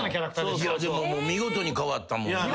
でも見事に変わったもんな。